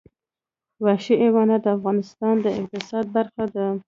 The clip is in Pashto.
وحشي حیوانات د افغانستان د اقتصاد برخه ده.